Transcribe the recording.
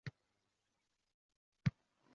Luqmoni hakimlik da’vosidan mast